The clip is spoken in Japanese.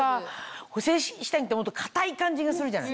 補整下着ってもっと硬い感じがするじゃない？